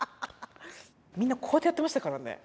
みんなこうやってやってましたからね。